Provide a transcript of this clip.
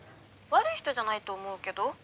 ☎悪い人じゃないと思うけど。